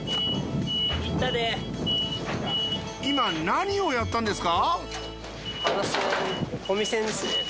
今何をやったんですか？